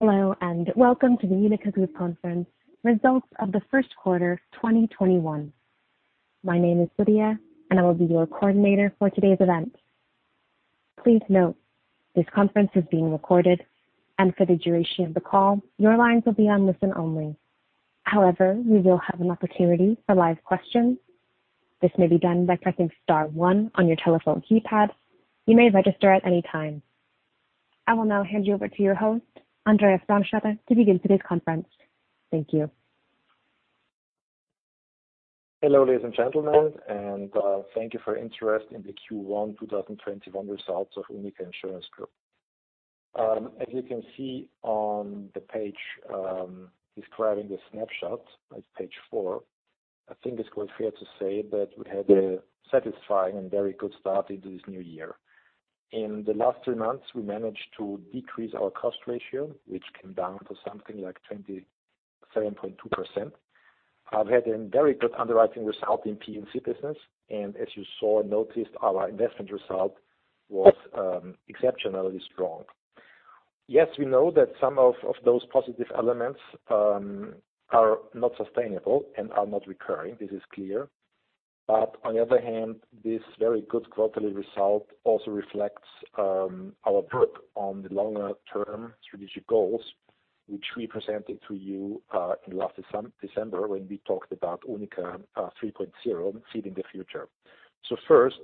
Hello, and welcome to the UNIQA Group Conference Results of the First Quarter 2021. My name is Sophia, and I will be your coordinator for today's event. Please note, this conference is being recorded, and for the duration of the call, your lines will be on listen only. However, we will have an opportunity for live questions. This may be done by pressing star one on your telephone keypad. You may register at any time. I will now hand you over to your host, Andreas Brandstetter, to begin today's conference. Thank you. Hello, ladies and gentlemen, and thank you for your interest in the Q1 2021 results of UNIQA Insurance Group. As you can see on the page describing a snapshot, that's page four, I think it's fair to say that we had a satisfying and very good start into this new year. In the last three months, we managed to decrease our cost ratio, which came down to something like 27.2%. Have had a very good underwriting result in P&C business. As you saw, noticed our investment result was exceptionally strong. We know that some of those positive elements are not sustainable and are not recurring. This is clear. On the other hand, this very good quarterly result also reflects our work on the longer-term strategic goals, which we presented to you in last December when we talked about UNIQA 3.0 Seeding the Future. First,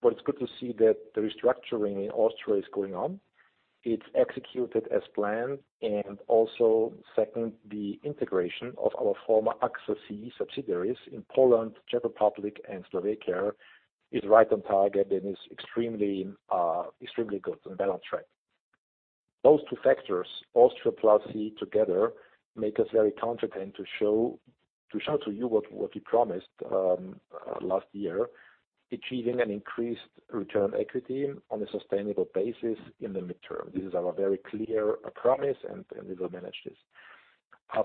well, it's good to see that the restructuring in Austria is going on. It's executed as planned. Also second, the integration of our former AXA subsidiaries in Poland, Czech Republic, and Slovakia is right on target and is extremely good and well on track. Those two factors, Austria plus CEE together, make us very confident to show to you what we promised last year, achieving an increased return on equity on a sustainable basis in the midterm. This is our very clear promise. We will manage this.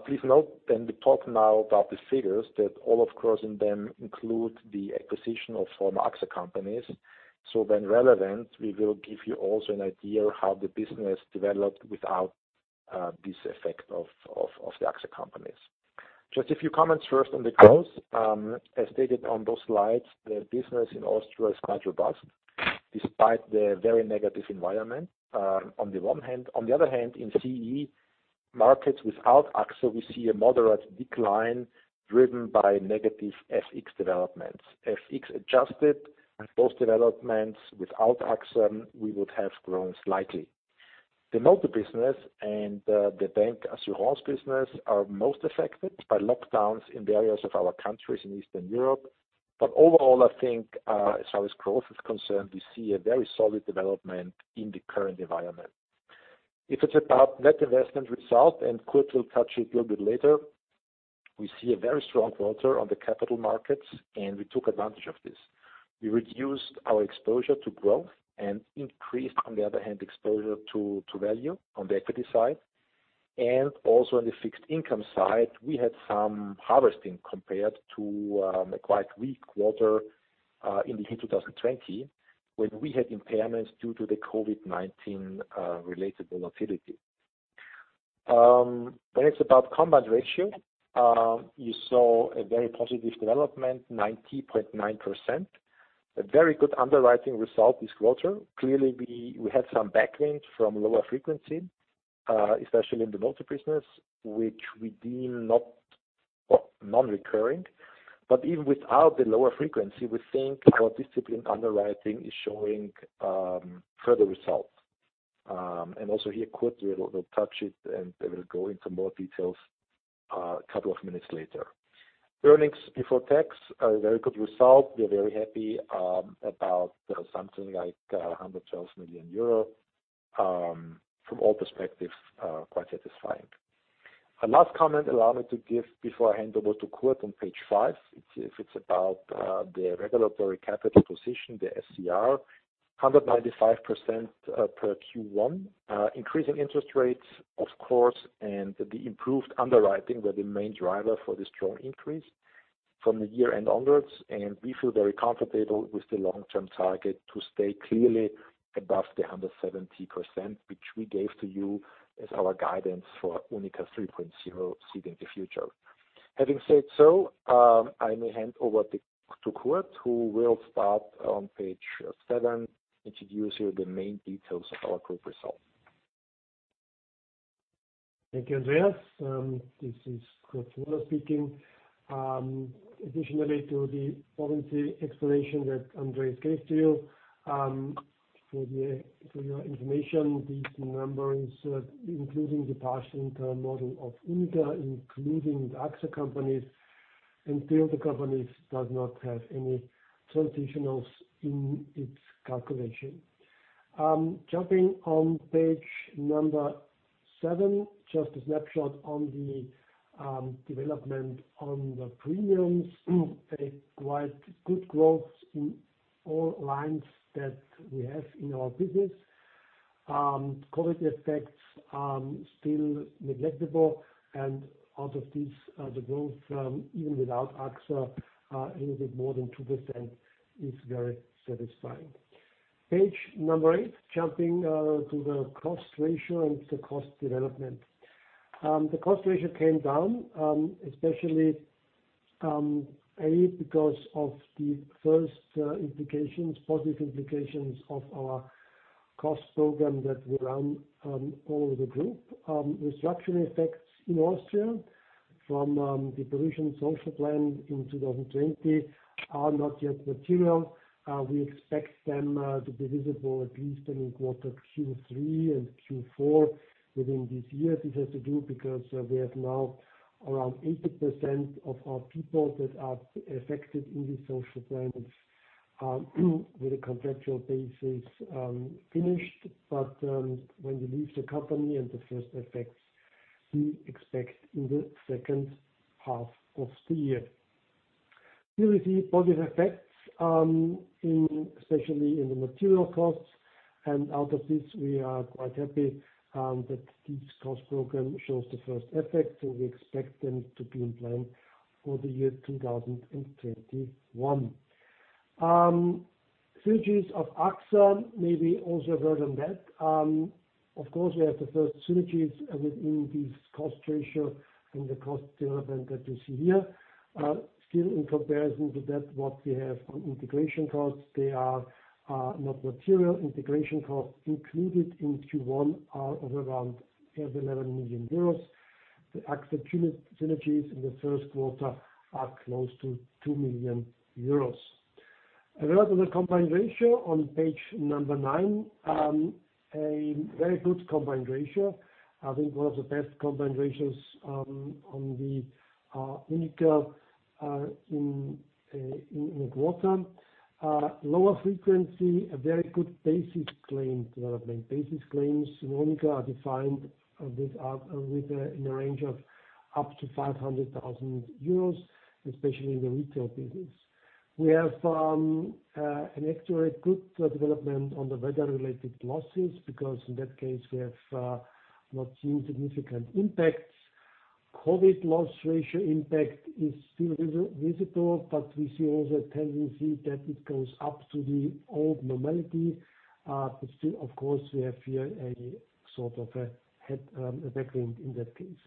Please note then we talk now about the figures that all across them include the acquisition of former AXA companies. When relevant, we will give you also an idea how the business developed without this effect of the AXA companies. Just a few comments first on the growth. As stated on those slides, the business in Austria is much robust, despite the very negative environment on the one hand. In CEE markets without AXA, we see a moderate decline driven by negative FX developments. FX-adjusted, post developments without AXA, we would have grown slightly. The multi-business and the bancassurance business are most affected by lockdowns in various other countries in Eastern Europe. Overall, I think, as far as growth is concerned, we see a very solid development in the current environment. If it's about net investment result, and Kurt will touch a little bit later, we see a very strong quarter on the capital markets, and we took advantage of this. We reduced our exposure to growth and increased, on the other hand, exposure to value on the equity side. Also on the fixed income side, we had some harvesting compared to a quite weak quarter in 2020, when we had impairments due to the COVID-19 related volatility. When it's about combined ratio, you saw a very positive development, 90.9%. A very good underwriting result this quarter. Clearly, we had some backwind from lower frequency, especially in the multi-business, which we deem non-recurring. Even without the lower frequency, we think our disciplined underwriting is showing further results. Also here, Kurt will touch it, and we'll go into more details a couple of minutes later. Earnings before tax are a very good result. We're very happy about something like 112 million euro. From all perspectives, quite satisfying. A last comment allow me to give before I hand over to Kurt on page five. It's about the regulatory capital position, the SCR, 195% per Q1. Increasing interest rates, of course, and the improved underwriting were the main driver for the strong increase from the year-end onwards, and we feel very comfortable with the long-term target to stay clearly above the 170%, which we gave to you as our guidance for UNIQA 3.0 Seeding the Future. Having said so, I may hand over to Kurt Svoboda, who will start on page seven, introduce you the main details of our group result. Thank you, Andreas. This is Kurt Svoboda speaking. Additionally to the explanation that Andreas gave to you, for your information, these numbers, including the partial internal model of UNIQA, including the AXA companies and three of the companies, does not have any transitionals in its calculation. Jumping on page number seven, just a snapshot on the development on the premiums, a quite good growth in all lines that we have in our business. COVID effects are still negligible. Out of this, the growth even without AXA, a little bit more than 2% is very satisfying. Page number eight, jumping to the cost ratio and the cost development. The cost ratio came down, especially, AXA, because of the first positive implications of our cost program that we run all over the group. The structural effects in Austria from the provision social plan in 2020 are not yet material. We expect them to be visible at least during quarter Q3 and Q4 within this year. This has to do because we have now around 80% of our people that are affected in the social plan with a contractual basis finished. When you leave the company and the first effects we expect in the second half of the year. Here we see positive effects, especially in the material costs. Out of this, we are quite happy that this cost program shows the first effect, and we expect them to be in line for the year 2021. Synergies of AXA, maybe also a word on that. Of course, we have the first synergies within this cost ratio and the cost development that you see here. In comparison to that, what we have on integration costs, they are not material. Integration costs included in Q1 are of around 11 million euros. The AXA synergies in the first quarter are close to 2 million euros. A word on the combined ratio on page number nine. A very good combined ratio. I think one of the best combined ratios in UNIQA in the quarter. Lower frequency, a very good basic claim development. Basic claims in UNIQA are defined with a range of up to 500,000 euros, especially in the retail business. We have an actually good development on the weather-related losses, because in that case we have not seen significant impact. COVID-19 loss ratio impact is still visible, but we see also a tendency that it goes up to the old normality. Still, of course, we have here a sort of a headwind in that case.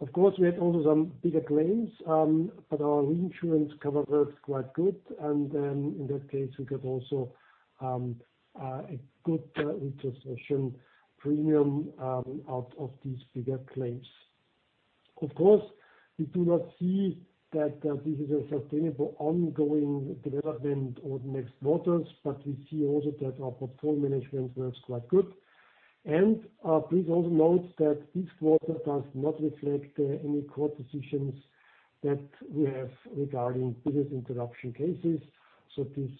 We had also some bigger claims, but our reinsurance cover was quite good, and in that case, we got also a good reinstatement premium out of these bigger claims. Of course, we do not see that this is a sustainable ongoing development over the next quarters, but we see also that our portfolio management was quite good. Please also note that this quarter does not reflect any court decisions that we have regarding business interruption cases. This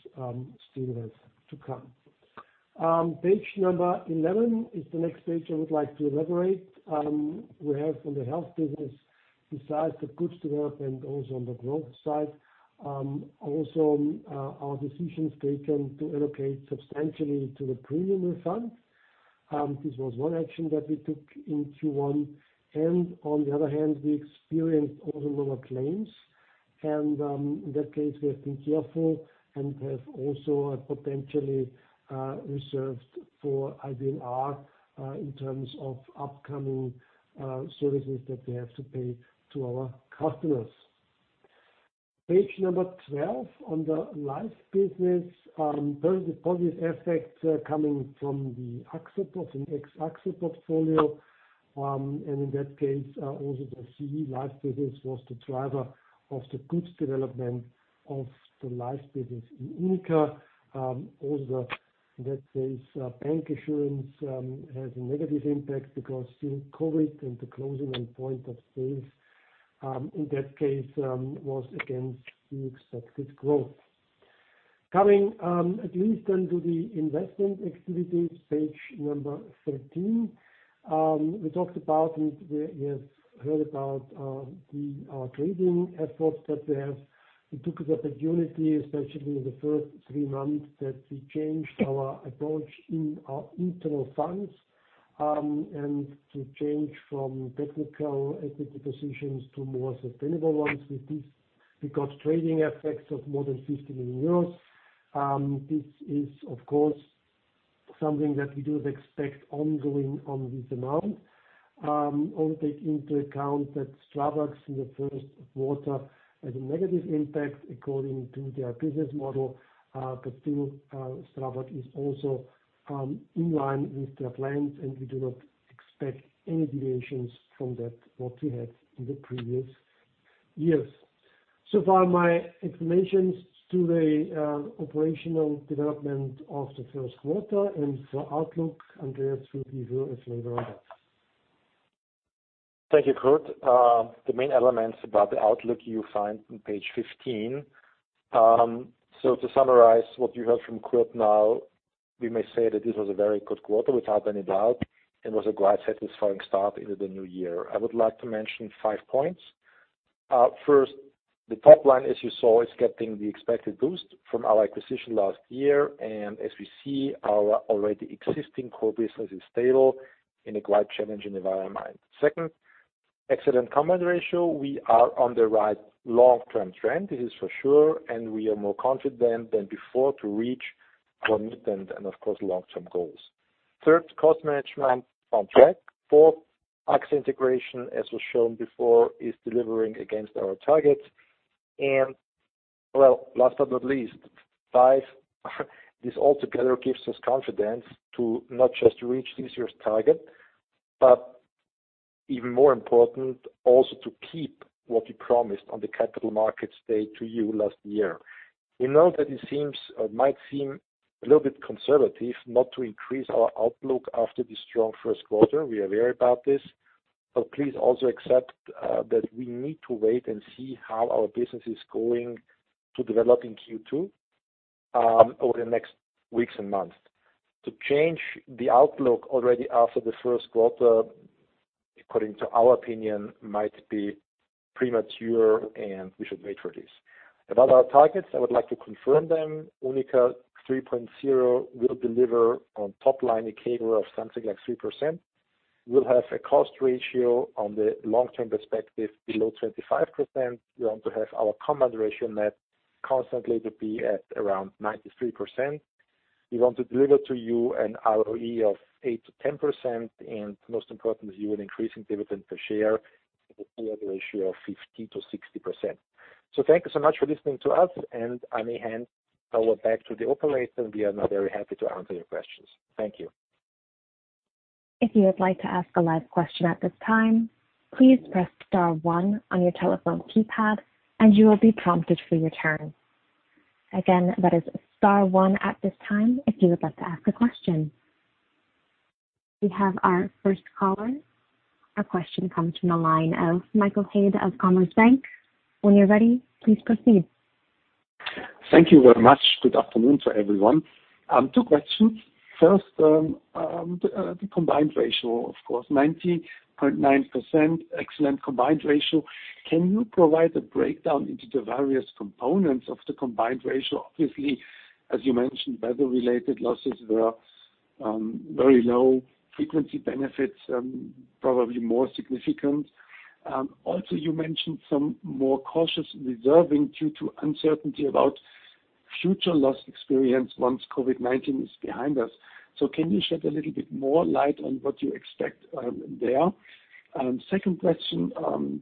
still has to come. Page number 11 is the next page I would like to elaborate. We have on the health business, besides the good development also on the growth side, also our decisions taken to allocate substantially to the premium refund. This was one action that we took in Q1, and on the other hand, we experienced also lower claims. In that case, we have been careful and have also potentially reserved for IBNR in terms of upcoming services that we have to pay to our customers. Page 12 on the life business. Those are the positive effects coming from the AXA portfolio. In that case, also the CEE life business was the driver of the good development of the life business in UNIQA. Also, in that case, bancassurance had a negative impact because COVID-19 and the closing on point of sales, in that case, was against the expected growth. Coming at least then to the investment activities, page 13. We talked about and you have heard about our trading efforts that we have. We took the opportunity, especially in the first three months, that we changed our approach in our internal funds, and to change from technical equity positions to more sustainable ones. With this, we got trading effects of more than 15 million euros. This is, of course, something that we do not expect ongoing on this amount. We also take into account that STRABAG in the first quarter had a negative impact according to their business model. Still STRABAG is also in line with their plans, and we do not expect any deviations from that what we had in the previous years. Far my explanations to the operational development of the first quarter and for outlook, Andreas will give you a few more words. Thank you, Kurt. The main elements about the outlook you find on page 15. To summarize what you heard from Kurt now, we may say that this was a very good quarter without any doubt, and was a quite satisfying start into the new year. I would like to mention five points. First, the top line, as you saw, is getting the expected boost from our acquisition last year. As we see, our already existing core business is stable in a quite challenging environment. Second, excellent combined ratio. We are on the right long-term trend, this is for sure, and we are more confident than before to reach commitment and, of course, long-term goals. Third, cost management on track. Fourth, AXA integration, as was shown before, is delivering against our targets. Well, last but not least, five, this all together gives us confidence to not just reach this year's target, but even more important, also to keep what we promised on the Capital Markets Day to you last year. We know that it might seem a little bit conservative not to increase our outlook after the strong first quarter. We are aware about this, but please also accept that we need to wait and see how our business is going to develop in Q2 over the next weeks and months. To change the outlook already after the first quarter, according to our opinion, might be premature, and we should wait for this. About our targets, I would like to confirm them. UNIQA 3.0 will deliver on top-line CAGR of something like 3%. We'll have a cost ratio on the long-term perspective below 25%. We want to have our combined ratio net constantly to be at around 93%. We want to deliver to you an ROE of 8%-10%, and most importantly, a good increasing dividend per share with a payout ratio of 50%-60%. Thank you so much for listening to us. On the end, I will hand over back to the operator, and we are now very happy to answer your questions. Thank you. If you would like to ask a live question at this time. Please press star one on your telephone keypad and you will be prompted for your turn. Again, that is star one at this time if you want ask a question. We have our first caller. A question coming to the line of Michael Haid at Commerzbank. When you're ready, please proceed. Thank you very much. Good afternoon to everyone. Two questions. First, the combined ratio, of course, 90.9%, excellent combined ratio. Can you provide a breakdown into the various components of the combined ratio? Obviously, as you mentioned, weather-related losses were very low. Frequency benefits probably more significant. Also, you mentioned some more cautious reserving due to uncertainty about future loss experience once COVID-19 is behind us. Can you shed a little bit more light on what you expect there? Second question,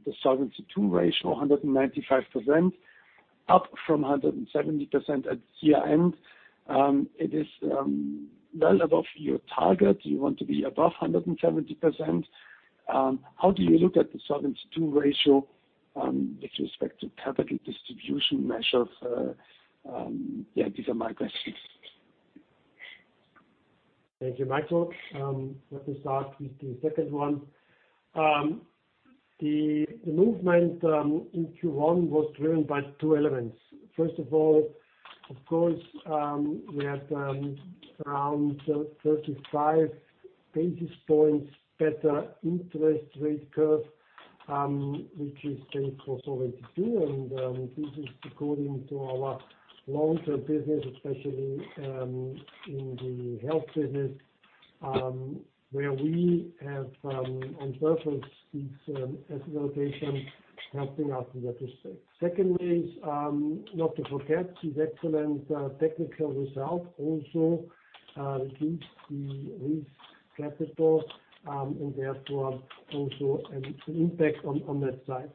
the Solvency II ratio, 195%, up from 170% at YE. It is well above your target. You want to be above 170%. How do you look at the Solvency II ratio with respect to capital distribution measures via dividends? Thank you, Michael. Let me start with the second one. The movement in Q1 was driven by two elements. First of all, of course, we had around 35 basis points better interest rate curve, which is then for Solvency II, and this is according to our long-term business, especially in the health business, where we have on purpose this allocation helping us in that respect. Secondly, is not to forget the excellent technical result also reduced the release capital and therefore also an impact on that side.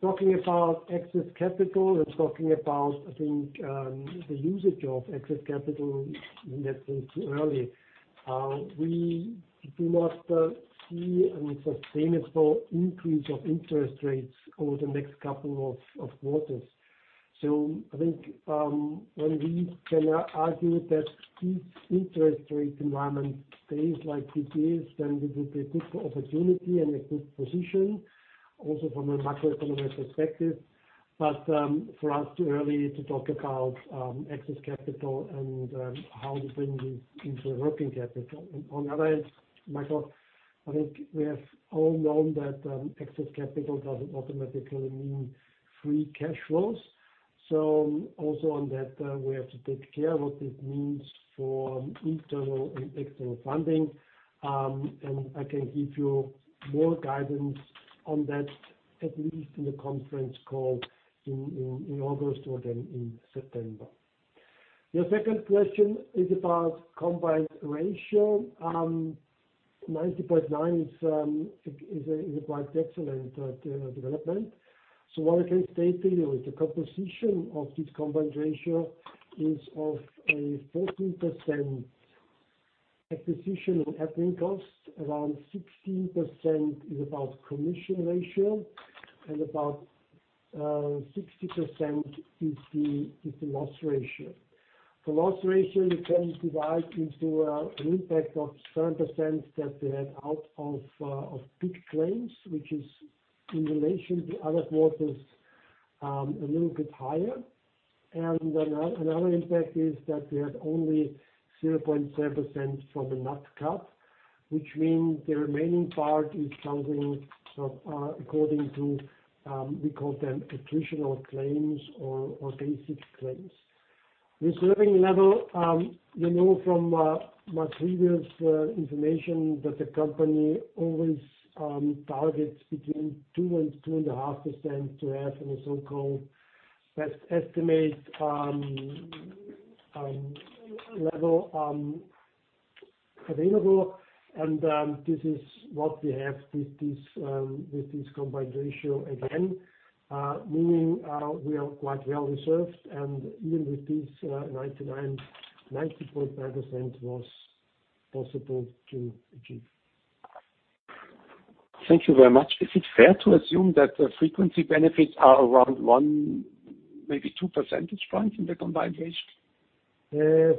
Talking about excess capital and talking about, I think, the usage of excess capital we had mentioned earlier. We do not see a sustainable increase of interest rates over the next couple of quarters. I think when we can argue that this interest rate environment stays like it is, then this is a good opportunity and a good position also from a macroeconomic perspective. For us too early to talk about excess capital and how we bring this into working capital. On the other end, Michael, I think we have all known that excess capital doesn't automatically mean free cash flows. Also on that, we have to take care what this means for internal and external funding. I can give you more guidance on that, at least in the conference call in August or then in September. Your second question is about combined ratio. 90.9 is a quite excellent development. What I can say to you is the composition of this combined ratio is of 14% acquisition and admin costs, around 16% is about commission ratio, and about 60% is the loss ratio. The loss ratio you can divide into an impact of 7% that we had out of peak claims, which is in relation to other quarters, a little bit higher. Another impact is that we had only 0.7% from the nat cat, which means the remaining part is something according to, we call them traditional claims or basic claims. This level, we know from previous information that the company always targets between 2% and 2.5% to have a so-called best estimate level available. This is what we have with this combined ratio again, meaning we are quite well reserved, and even with this, 90.5% was possible to achieve. Thank you very much. Is it fair to assume that the frequency benefits are around one, maybe two percentage points in the combined ratio?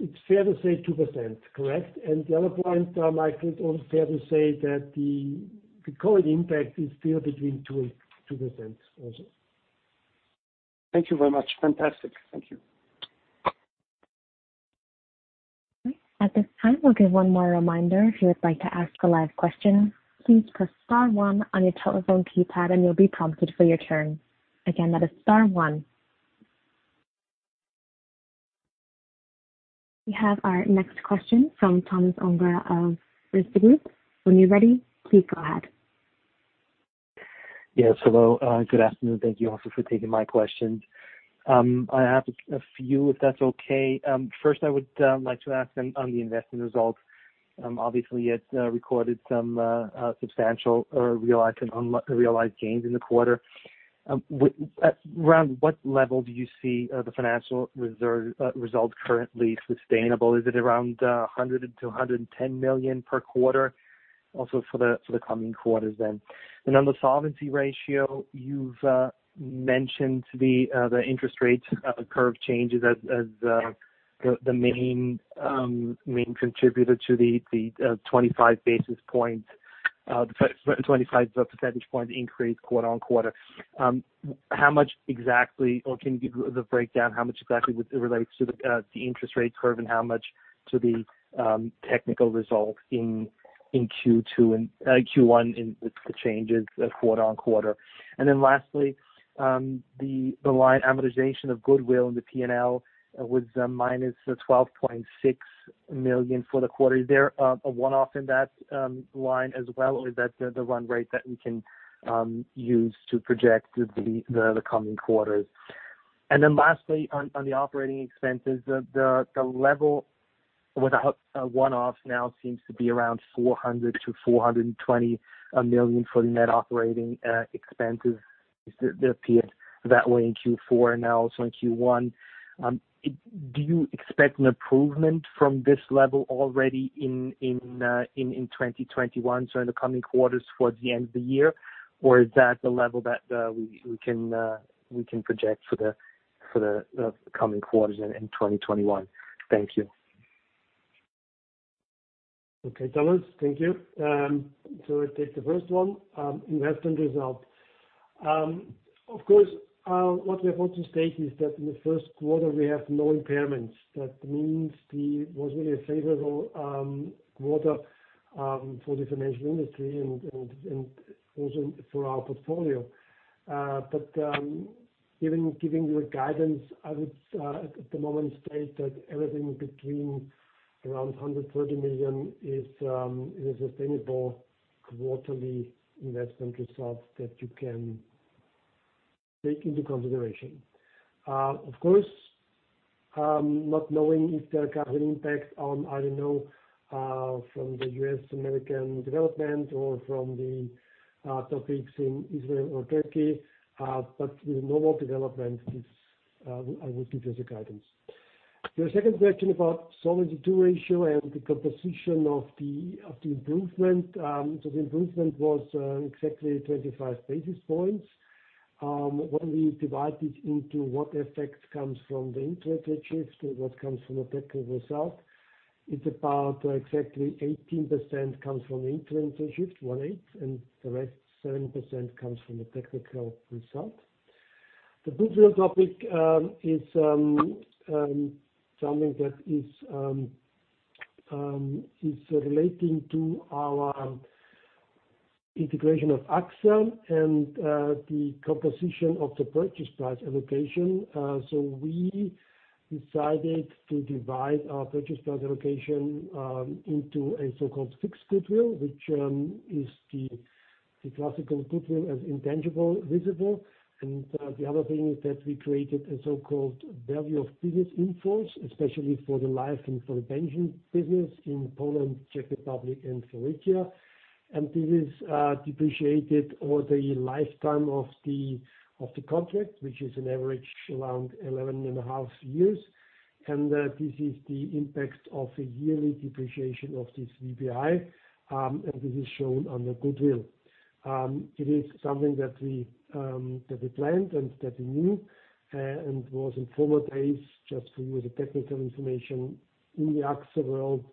It's fair to say 2%, correct. The other point, I think it's also fair to say that the COVID-19 impact is still between 2% also. Thank you very much. Fantastic. Thank you. At this time, I will give one more reminder if you would like to ask a live question please press star one on your telephone keypad and you will be prompted for your turn. Again, that is star one. We have our next question from Thomas Unger of Erste Group. When you're ready, please go ahead. Good afternoon. Thank you also for taking my question. I have a few, if that's okay. First, I would like to ask on the investment results. Obviously, you recorded some substantial realized and unrealized gains in the quarter. Around what level do you see the financial results currently sustainable? Is it around 100 million to 110 million per quarter, also for the coming quarters then? On the solvency ratio, you've mentioned the interest rates curve changes as the main contributor to the 25 percentage point increase quarter-on-quarter. Can you give the breakdown how much exactly relates to the interest rate curve and how much to the technical results in Q1 with the changes quarter-on-quarter? Lastly, the line amortization of goodwill in the P&L with the minus 12.6 million for the quarter. Is there a one-off in that line as well, or is that the run rate that we can use to project the coming quarters? Lastly, on the operating expenses, the level without one-offs now seems to be around 400 million-420 million for net operating expenses. It appeared that way in Q4 and now it's in Q1. Do you expect an improvement from this level already in 2021, so in the coming quarters towards the end of the year? Or is that the level that we can project for the coming quarters in 2021? Thank you. Okay, Thomas. Thank you. I take the first one, investment result. Of course, what we want to state is that in the first quarter, we have no impairments. That means it wasn't a favorable quarter for the financial industry and also for our portfolio. Giving you a guidance, I would at the moment state that everything between around 130 million is a sustainable quarterly investment result that you can take into consideration. Of course, not knowing if there are capital impact on, I don't know, from the U.S. American development or from the topics in Israel or Turkey. With no more developments, I would give you the guidance. Your second question about Solvency II ratio and the composition of the improvement. The improvement was exactly 25 basis points. When we divide it into what effect comes from the interest rate shift and what comes from the technical result, it's about exactly 18% comes from interest rate shift, 18, and the rest, 7%, comes from the technical result. The goodwill topic is something that is relating to our integration of AXA and the composition of the purchase price allocation. We decided to divide our purchase price allocation into a so-called fixed goodwill, which is the classical goodwill as intangible visible. The other thing is that we created a so-called value of business in-force, especially for the life and pension business in Poland, Czech Republic, and Slovakia. This is depreciated over the lifetime of the contract, which is an average around 11 and a half years. This is the impact of a yearly depreciation of this VBI, and this is shown under goodwill. It is something that we planned and that we knew and was in forward days. Just for you, the technical information in the AXA world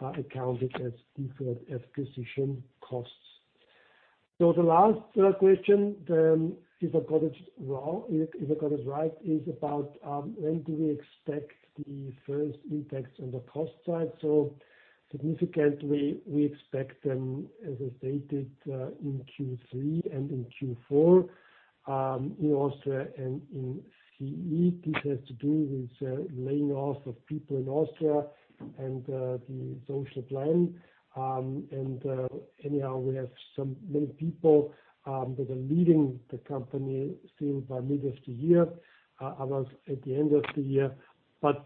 accounted as acquisition costs. The last question, if I got it right, is about when do we expect the first impact on the cost side. Significantly, we expect them, as I stated, in Q3 and in Q4. In Austria and in CEE. This has to do with laying off of people in Austria and the social plan. Anyhow, we have many people that are leaving the company still by middle of the year, others at the end of the year.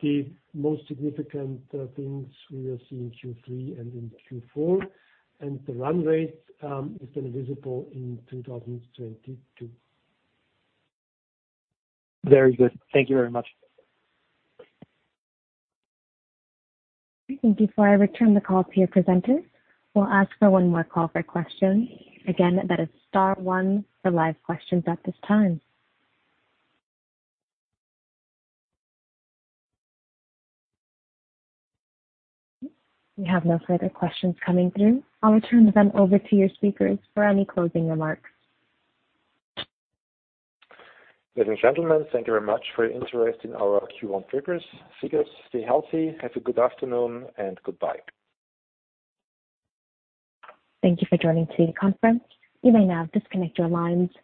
The most significant things we will see in Q3 and in Q4. The run rate is going to be visible in 2022. Very good. Thank you very much. Before I return the call to your presenters, we'll ask for one more call for questions. Again, that is star one for live questions at this time. We have no further questions coming through. I'll return the event over to your speakers for any closing remarks. Ladies and gentlemen, thank you very much for your interest in our Q1 figures. Seek us, stay healthy, have a good afternoon, and goodbye. Thank you for joining today's conference. You may now disconnect your line.